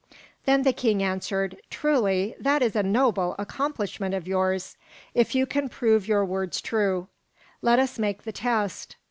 Then the king answered, "Truly, that is a noble accomplishment of yours, if you can prove your words true. Let us make the test."